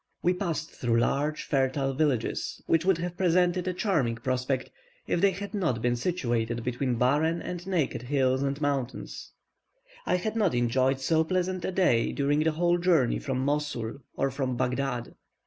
We passed through large, fertile villages, which would have presented a charming prospect if they had not been situated between barren and naked hills and mountains. I had not enjoyed so pleasant a day during the whole journey from Mosul, or from Baghdad.